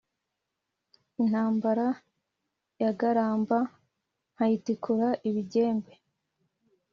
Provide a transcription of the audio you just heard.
Intambara yagaramba nkayitikura ibigembe